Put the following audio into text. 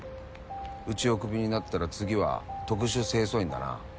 うちをクビになったら次は特殊清掃員だな。